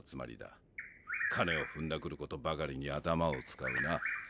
金をふんだくることばかりに頭を使うな。